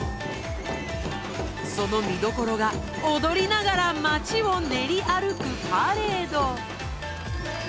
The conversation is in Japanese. そのみどころが踊りながら街を練り歩くパレード！